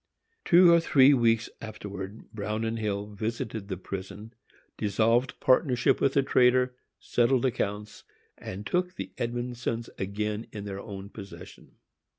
Two or three weeks afterwards Bruin & Hill visited the prison, dissolved partnership with the trader, settled accounts, and took the Edmondsons again in their own possession.